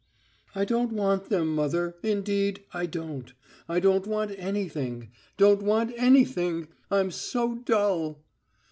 "I don't want them, mother. Indeed, I don't. I don't want anything, don't want anything. I'm so dull!"